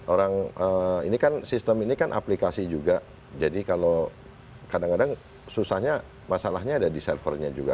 orang ini kan sistem ini kan aplikasi juga jadi kalau kadang kadang susahnya masalahnya ada di servernya juga